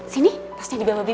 sini tasnya dibawa bik